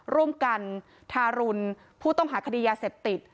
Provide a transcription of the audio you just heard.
ร่วมกันทารุณผู้ต้องหาคดียาเสพติด